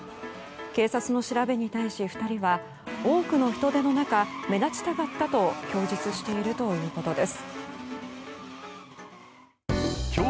警察の調べに対し、２人は多くの人出の中目立ちたかったと供述しているということです。